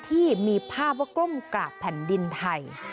ทีมีภาพกรมกราบแผ่นดินไทย